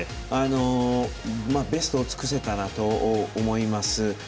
ベストを尽くせたなと思います。